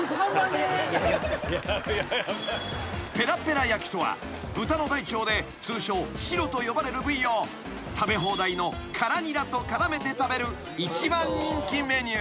［ペラペラ焼とは豚の大腸で通称シロと呼ばれる部位を食べ放題の辛ニラと絡めて食べる一番人気メニュー］